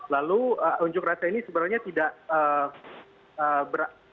lalu unjuk rasa ini sebenarnya tidak berat